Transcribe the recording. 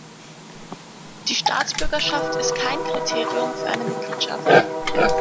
Die Staatsbürgerschaft ist kein Kriterium für eine Mitgliedschaft.